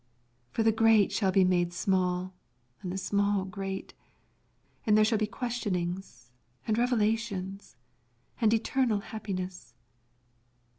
For the great shall be made small and the small great, and there shall be questionings and revelations and eternal happiness.